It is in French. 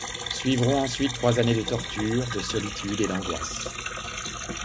Suivront ensuite trois années de tortures, de solitude et d’angoisse.